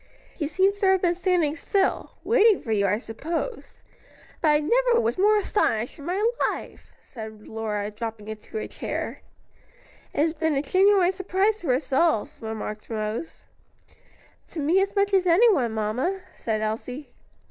"He seems to have been standing still (waiting for you, I suppose); but I never was more astonished in my life!" said Lora, dropping into a chair. "It has been a genuine surprise to us all," remarked Rose. "To me as much as anyone, mamma," said Elsie.